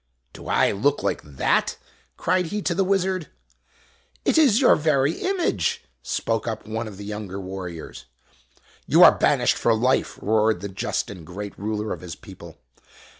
"Do I look like that?" cried he to the wizard. " It is your very image !" spoke up one of the younger warriors. " You are banished for life !" roared the just and great ruler of his people.